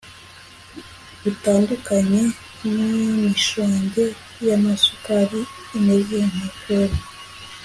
butandukanye nimishonge yamasukari imeze nka kreme